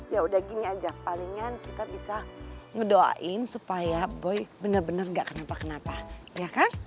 yaudah gini aja palingan kita bisa ngedoain supaya boy bener bener gak kenapa kenapa ya kan